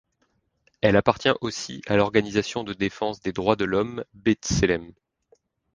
Elle appartient aussi à l'organisation de défense des droits de l'Homme B'Tselem.